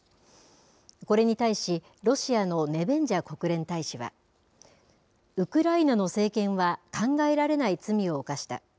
これに対し、ロシアのネベンジャ国連大使は、ウクライナの政権は考えられない罪を犯した。